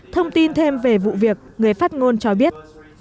thông tin thêm về vụ việc người phát ngôn cho biết